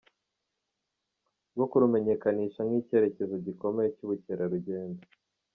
bwo kurumenyekanisha nk’icyerekezo gikomeye cy’ubukerarugendo